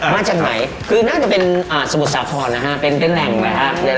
มาจากไหนคือน่าจะเป็นสมุดสาธารณ์นะฮะเป็นแหล่งอะไรฮะ